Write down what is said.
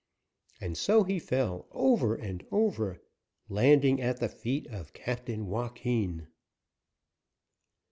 And so he fell, over and over, landing at the feet of Captain Joaquin.